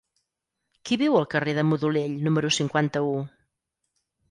Qui viu al carrer de Modolell número cinquanta-u?